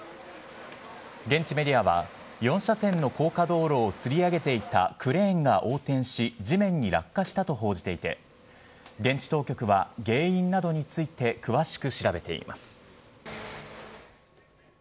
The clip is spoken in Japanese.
現地メディアは、４車線の高架道路をつり上げていたクレーンが横転し、地面に落下したと報じていて、現地当局は原因などについて、詳しく調べています。